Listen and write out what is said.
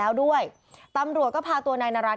ถ้าหนูทำแบบนั้นพ่อจะไม่มีรับบายเจ้าให้หนูได้เอง